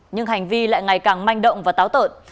nhưng hành vi lại ngày càng manh động và táo tợn